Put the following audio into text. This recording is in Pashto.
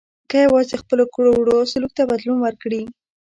که یوازې خپلو کړو وړو او سلوک ته بدلون ورکړي.